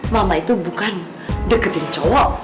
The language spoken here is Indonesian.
mama itu bukan deketin cowok